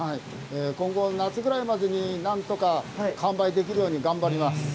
今後、夏ぐらいまでに、なんとか完売できるように頑張ります。